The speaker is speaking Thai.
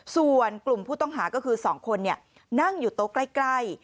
ส่วนกลุ่มผู้ต้องหาก็คือ๒คนนั่งอยู่โต๊ะใกล้